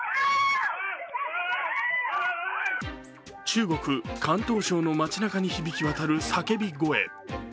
中国広東省の街なかに響き渡る叫び声。